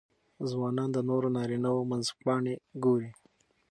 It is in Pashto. ځوانان د نورو نارینهوو منځپانګې ګوري.